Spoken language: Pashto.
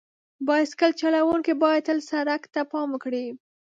بایسکل چلونکي باید تل سړک ته پام وکړي.